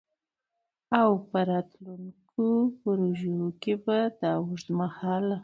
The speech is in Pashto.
او په راتلونکو پروژو کي به د اوږدمهاله